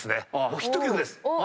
もうヒット曲です。